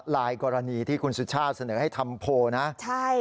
กรณีที่คุณสุชาติเสนอให้ทำโพลนะใช่